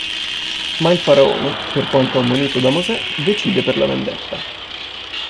Ma il faraone, per quanto ammonito da Mosè, decide per la vendetta.